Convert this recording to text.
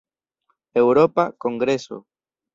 Eŭropa kongreso.